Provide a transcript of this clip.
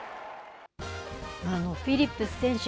フィリップス選手